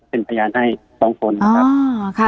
เป็นพยานให้สองคนนะครับ